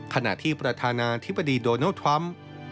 ขณะที่ประธานาธิบดีโดนัลด์ทรัมป์